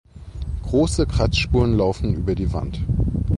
Große Kratzspuren laufen über die Wand.